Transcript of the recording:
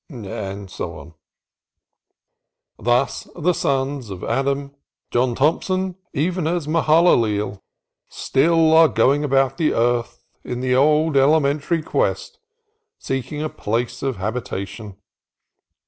'"— And so on. Thus the sons of Adam, John Thompson even as Mahalaleel, still are going about the earth on the old elementary quest, seeking a place of habitation.